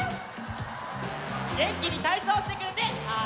げんきにたいそうしてくれてありがとう！